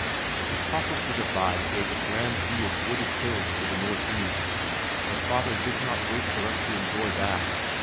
The top of the divide gave a grand view of wooded hills to the northeast, but father did not wait for us to enjoy that.